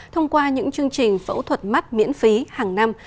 thông qua những chương trình phẫu thuật mắt miễn phí hàng năm